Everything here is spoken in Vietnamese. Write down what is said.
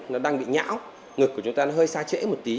nó đang bị nhão ngực của chúng ta nó hơi xa trễ một tí